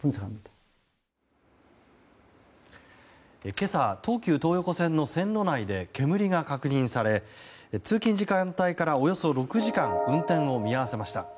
今朝、東急東横線の線路内で煙が確認され通勤時間帯からおよそ６時間運転を見合わせました。